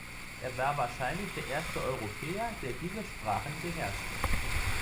Er war wahrscheinlich der erste Europäer, der diese Sprachen beherrschte.